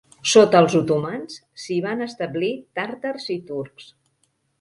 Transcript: Sota els otomans, s'hi van establir tàrtars i turcs.